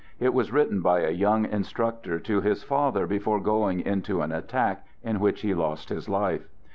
It was written by a young instructor to his father be fore going into an attack in which he lost his life.